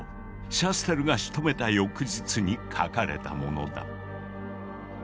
シャステルがしとめた翌日に書かれたものだ。